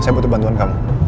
saya butuh bantuan kamu